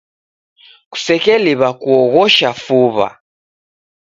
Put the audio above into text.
Kusekeliw'a kuoghosha fuw'a.